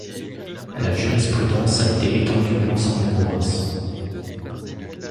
La jurisprudence a été étendue à l'ensemble des provinces.